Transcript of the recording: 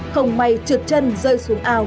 không may trượt chân rơi xuống ao